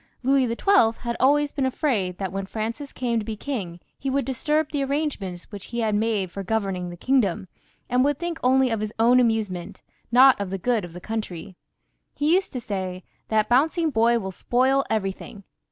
Louis XII. had always been afraid that when Francis came to be king he would disturb the arrange ments which Louis had made for governing the kingdom, and would think only of his own amusement, not of the good of the country. He used to say, " That bouncing boy will spoil everything."